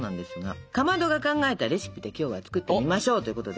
かまどが考えたレシピで今日は作ってみましょうということで。